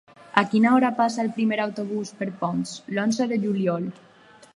A quina hora passa el primer autobús per Ponts l'onze de juliol?